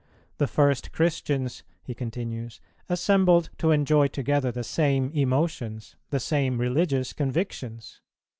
The first Christians," he continues, "assembled to enjoy together the same emotions, the same religious convictions.